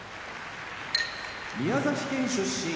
宮崎県出身